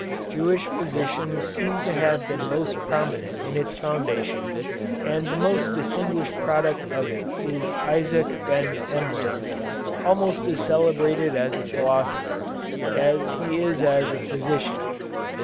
Jewish physicians seem to have been most prominent in its foundation, and the most distinguished product of it is Isaac Ben Emran, almost as celebrated as a philosopher as he is as a physician.